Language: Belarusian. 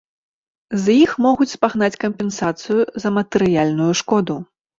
З іх могуць спагнаць кампенсацыю за матэрыяльную шкоду.